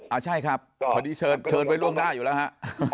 อ่าใช่ครับพอดีเชิญไปร่วมหน้าอยู่แล้วครับ